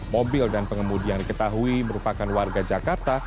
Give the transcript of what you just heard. mobil dan pengemudi yang diketahui merupakan warga jakarta